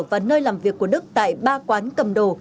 và nơi làm việc của đức tại ba quán cầm đồ